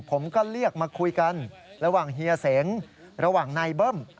ผมก็เรียกมาคุยกันระหว่างเฮียเสงระหว่างนายเบิ้ม